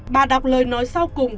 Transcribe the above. bà đọc lời nói sau cùng